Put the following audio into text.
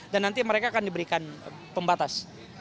dan nanti mereka akan diberikan pembatas